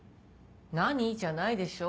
「何？」じゃないでしょ？